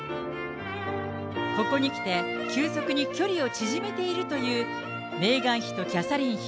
ここに来て、急速に距離を縮めているというメーガン妃とキャサリン妃。